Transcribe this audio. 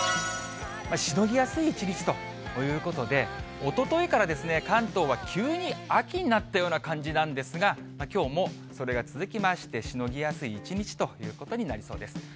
しのぎやすい一日ということで、おとといから関東は急に秋になったような感じなんですが、きょうもそれが続きまして、しのぎやすい一日ということになりそうです。